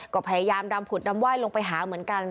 ก็พยายามดำผุดดำไห้ลงไปหาเหมือนกัน